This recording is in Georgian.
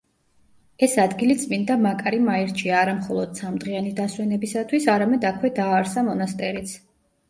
ეს ადგილი წმინდა მაკარიმ აირჩია არა მხოლოდ სამდღიანი დასვენებისათვის, არამედ აქვე დააარსა მონასტერიც.